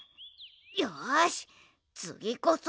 よしつぎこそは。